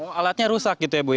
oh alatnya rusak gitu ya bu ya